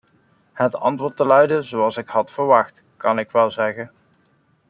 Het antwoord luidde zoals ik had verwacht, kan ik wel zeggen.